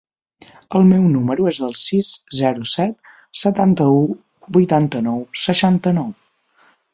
El meu número es el sis, zero, set, setanta-u, vuitanta-nou, seixanta-nou.